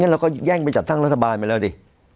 เราก็แย่งไปจัดตั้งรัฐบาลไปแล้วดิ